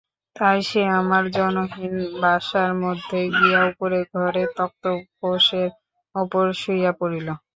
তাই সে আপনার জনহীন বাসার মধ্যে গিয়া উপরের ঘরে তক্তপোশের উপর শুইয়া পড়িল।